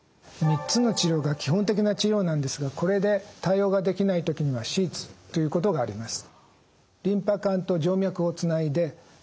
３つの治療が基本的な治療なんですがこれで対応ができない時には手術ということがあります。